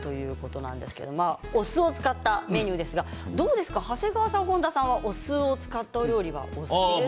お酢を使ったメニューですが長谷川さんと本田さんはお酢を使ったお料理はお好きですか？